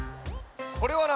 これはな